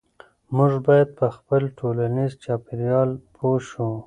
موږ باید په خپل ټولنیز چاپیریال پوه شو.